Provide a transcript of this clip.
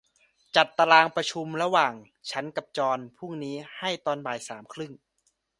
จัดตารางประชุมระหว่างฉันกับจอห์นพรุ่งนี้ให้ตอนบ่ายสามครึ่ง